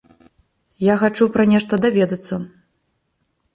Я хачу пра нешта даведацца.